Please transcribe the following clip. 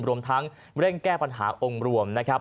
รวมทั้งเร่งแก้ปัญหาองค์รวมนะครับ